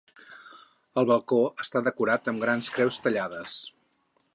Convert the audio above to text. El balcó està decorat amb grans creus tallades.